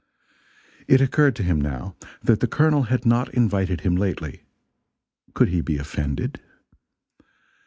It occurred to him, now, that the Colonel had not invited him lately could he be offended?